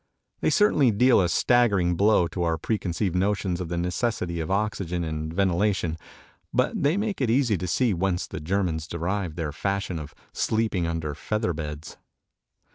They certainly deal a staggering blow to our preconceived notions of the necessity of oxygen and ventilation, but they make it easy to see whence the Germans derived their fashion of sleeping under feather beds.